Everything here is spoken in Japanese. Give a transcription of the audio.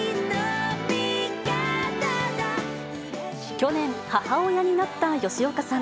去年、母親になった吉岡さん。